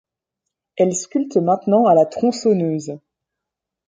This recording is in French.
Elle sculpte maintenant à la tronçonneuse.